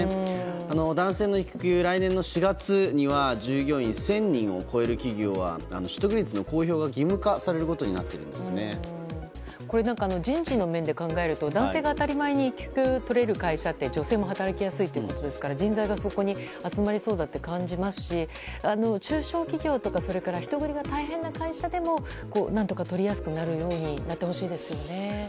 男性の育休、来年の４月には従業員１０００人を超える企業は取得率の公表が義務化されることに人事の面で考えると男性が当たり前に育休をとれる会社って女性も働きやすいということですから人材がそこに集まりそうだと感じますし、中小企業とか人繰りが大変な会社でも何とか取りやすくなるようになってほしいですよね。